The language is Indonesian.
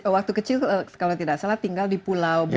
waktu kecil kalau tidak salah tinggal di pulau bali